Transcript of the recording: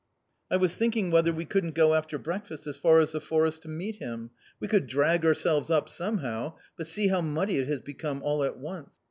" I was thinking whether we couldn't go after breakfast as far as the forest to meet him ; we could drag ourselves up somehow, but see how muddy it has become all at once